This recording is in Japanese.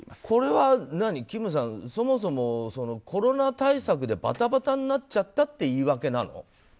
これは金さん、そもそもコロナ対策でバタバタになっちゃったって言い訳なの？